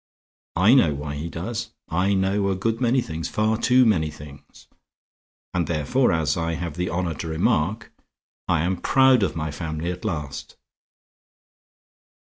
I know why he does; I know a good many things, far too many things. And therefore, as I have the honor to remark, I am proud of my family at last."